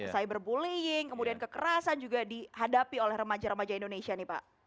cyberbullying kemudian kekerasan juga dihadapi oleh remaja remaja indonesia nih pak